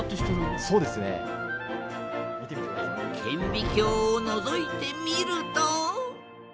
顕微鏡をのぞいてみると。